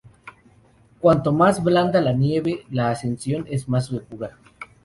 Cuanto más blanda es la nieve, la ascensión es más segura.